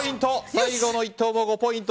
最後の一投も５ポイント